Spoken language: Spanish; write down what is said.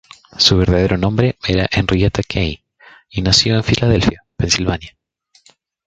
Su verdadero nombre era Henrietta Kaye, y nació en Filadelfia, Pensilvania.